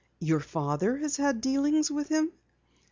"Your father has had dealings with him?"